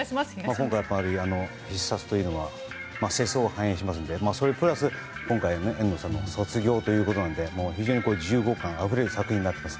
今回、「必殺」は世相を反映しますのでそれプラス遠藤さんの卒業ということなので非常に重厚感あふれる作品になっています。